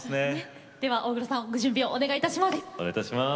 では大黒さんご準備をお願いいたします。